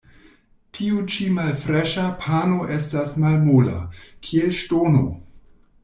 Tiu ĉi malfreŝa pano estas malmola, kiel ŝtono.